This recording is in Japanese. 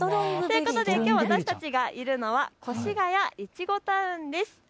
きょう私たちがいるのは越谷いちごタウンです。